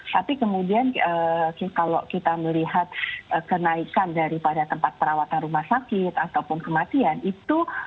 tapi kemudian kalau kita melihat kenaikan daripada tempat perawatan rumah sakit ataupun kematian itu